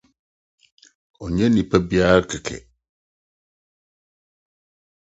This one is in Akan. Ɔnyɛ onipa biara kɛkɛ.